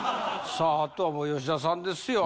さああとはもう吉田さんですよ